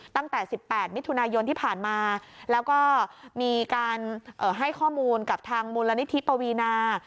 ตั้งแต่๑๘มิถุนายนที่ผ่านมาแล้วก็มีการให้ข้อมูลกับทางมูลนิธิปวีนา